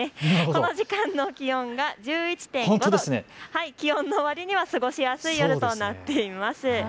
この時間の気温が１１．５度、気温のわりには過ごしやすい夜となっています。